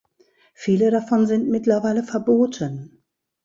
Viele davon sind mittlerweile verboten.